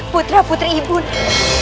putra putri ibunya